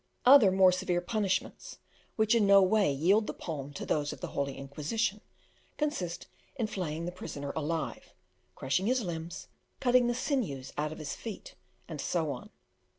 Other more severe punishments, which in no way yield the palm to those of the Holy Inquisition, consist in flaying the prisoner alive, crushing his limbs, cutting the sinews out of his feet, and so on.